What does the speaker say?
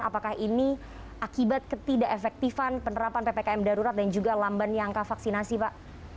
apakah ini akibat ketidak efektifan penerapan ppkm darurat dan juga lamban yang kevaksinasi pak